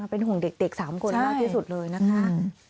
เป็นห่วงเด็ก๓คนมากที่สุดเลยนะคะ